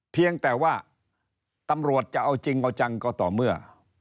เพียงแต่ว่าตำรวจจะเอาจริงเอาจังก็ต่อเมื่อ